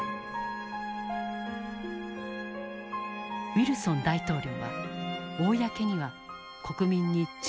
ウィルソン大統領は公には国民に中立を約束していた。